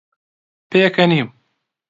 پێکەنیم.